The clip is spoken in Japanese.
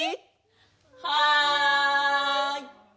はい！